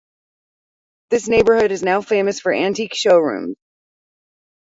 This neighborhood is now famous for antique showrooms.